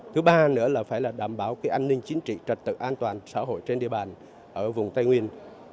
thứ ba nữa là phải là đảm bảo cái an ninh chính trị trật tự an toàn xã hội trên địa bàn ở vùng tây nguyên